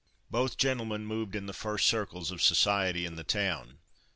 Both gentlemen moved in the first circles of society in the town.